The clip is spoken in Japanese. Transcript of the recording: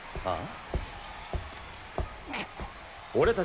ああ。